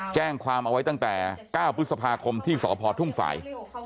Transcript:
แจ้งความเอาไว้ตั้งแต่๙พฤษภาคมที่สพทุ่งฝ่าย